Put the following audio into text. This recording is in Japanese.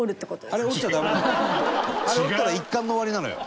あれ、折ったら一巻の終わりなのよ。